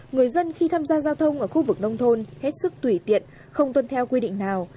người dân khi tham gia giao thông ở khu vực nông thôn hết sức tùy tiện không tuân theo quy định nào